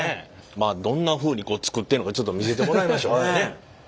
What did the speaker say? まあどんなふうに作ってるのかちょっと見せてもらいましょう。